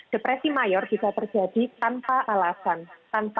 depresi mayor bisa terjadi tanpa alasan tanpa sebab